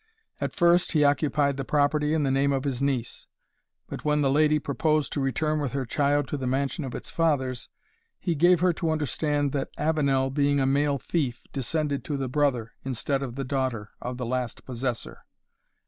At first, he occupied the property in the name of his niece; but when the lady proposed to return with her child to the mansion of its fathers, he gave her to understand, that Avenel, being a male fief, descended to the brother, instead of the daughter, of the last possessor.